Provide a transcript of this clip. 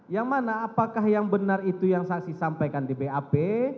yang mana apakah yang benar itu yang saksi sampaikan di bap